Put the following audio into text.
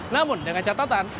namun dengan catatan